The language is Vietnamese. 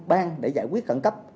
bang để giải quyết khẩn cấp